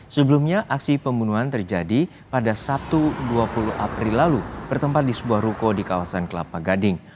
sebelumnya aksi pembunuhan terjadi pada sabtu dua puluh april lalu bertempat di sebuah ruko di kawasan kelapa gading